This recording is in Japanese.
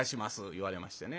言われましてね。